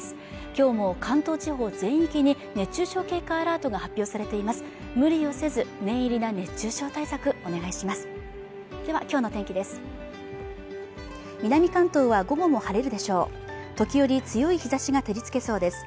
今日も関東地方全域に熱中症警戒アラートが発表されています